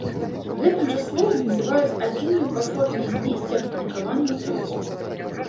Гэтым жа словам называюць адзіную па форме і змесце апублікаваную працу.